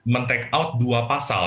men take out dua pasal